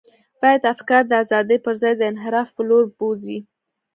باید افکار د ازادۍ پر ځای د انحراف پر لور بوزي.